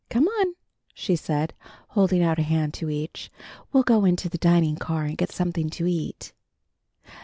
"Come on," she said, holding out a hand to each. "We'll go into the dining car and get something to eat."